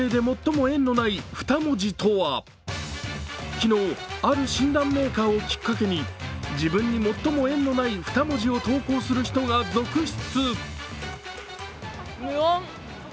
昨日、ある診断メーカーをきっかけに、自分に最も縁のない２文字を投稿する人が続出。